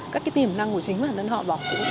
các cái tiềm năng của chính bản thân họ và